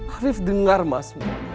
afif dengar mas